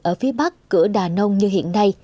ở phía bắc cửa đà nông như hiện nay